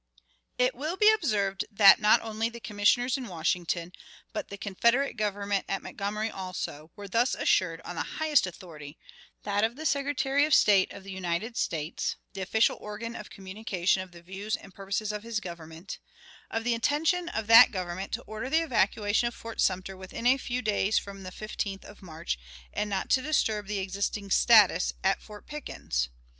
It will be observed that not only the Commissioners in Washington, but the Confederate Government at Montgomery also, were thus assured on the highest authority that of the Secretary of State of the United States, the official organ of communication of the views and purposes of his Government of the intention of that Government to order the evacuation of Fort Sumter within a few days from the 15th of March, and not to disturb the existing status at Fort Pickens.